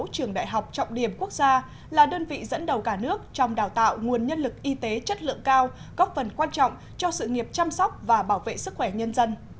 trường đại học trọng điểm quốc gia là đơn vị dẫn đầu cả nước trong đào tạo nguồn nhân lực y tế chất lượng cao góp phần quan trọng cho sự nghiệp chăm sóc và bảo vệ sức khỏe nhân dân